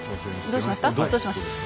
どうしました？